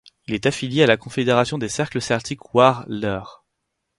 Il est affilié à la confédération des cercles celtiques War 'l leur.